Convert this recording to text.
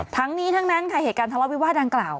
ทั้งนี้ทั้งนั้นค่ะเหตุการณ์ทะเลาวิวาสดังกล่าว